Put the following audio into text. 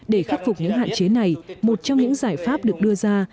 để khắc phục những hạn chế này một trong những giải pháp được đưa ra